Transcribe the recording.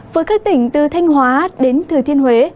với các tỉnh từ thanh hóa đến thừa thiên huế